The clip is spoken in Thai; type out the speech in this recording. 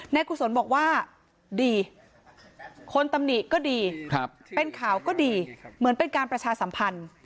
กุศลบอกว่าดีคนตำหนิก็ดีเป็นข่าวก็ดีเหมือนเป็นการประชาสัมพันธ์